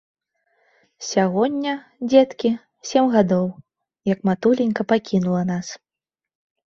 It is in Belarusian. Сягоння, дзеткі, сем гадоў, як матуленька пакінула нас.